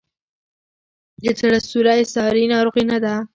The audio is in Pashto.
د زړه سوری ساري ناروغي نه ده.